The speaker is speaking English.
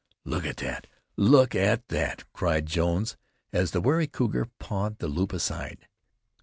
"Look at that! look at that!" cried Jones, as the wary cougar pawed the loop aside.